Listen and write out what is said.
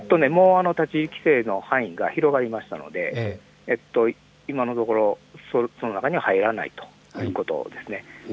立ち入り規制の範囲が広がりましたので今のところ、その中には入らないということですね。